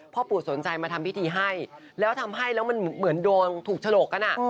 พ่อปู่สนใจมาทำพิธีให้แล้วทำให้แล้วมันเหมือนโดนถูกฉลกกัน